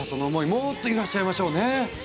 もっと揺らしちゃいましょうね！